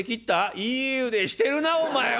いい腕してるなお前は！